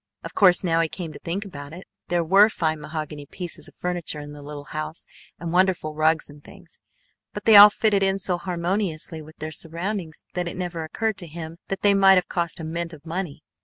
Of course, now he came to think about it, there were fine mahogany pieces of furniture in the little house and wonderful rugs and things, but they all fitted in so harmoniously with their surroundings that it never occurred to him that they might have cost a mint of money.